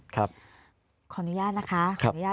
ขออนุญาตนะฮะ